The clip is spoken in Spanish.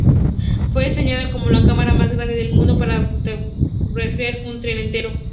Fue diseñada como la cámara más grande del mundo para fotografiar un tren entero.